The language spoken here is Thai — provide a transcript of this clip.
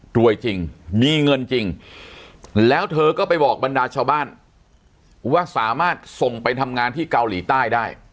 รวยจริงมีเงินจริงแล้วเธอก็ไปบอกบรรดาชาวบ้านว่าสามารถส่งไปทำงานที่เกาหลีใต้ได้